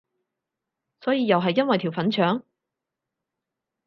所以又係因為條粉腸？